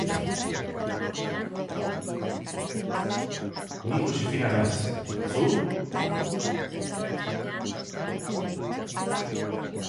Ni Joxefina naiz, zu?